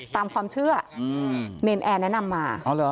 ตามความเชื่ออืมแนนแอนแนะนำมาอ๋อเหรอ